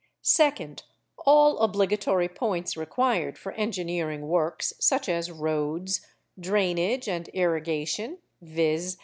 '2nd. All obligatory points required for engineering works, such as roads, drainage, and irrigation, viz.